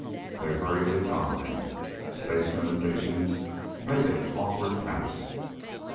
They hurriedly donned them. Space limitations made it an awkward task.